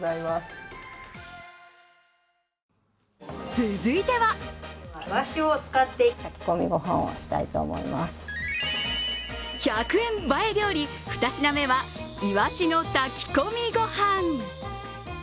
続いては１００円映え料理、２品目はいわしの炊き込みご飯。